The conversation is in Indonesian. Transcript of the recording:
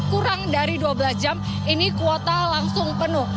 kurang dari dua belas jam ini kuota langsung penuh